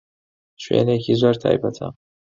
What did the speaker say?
شوێنێکی زۆر تایبەتە.